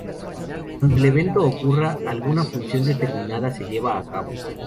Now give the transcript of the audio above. Cuando el evento ocurra, alguna función determinada se lleva a cabo.